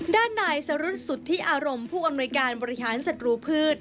ด้านนายสรุธสุทธิอารมณ์ผู้อำนวยการบริหารศัตรูพืช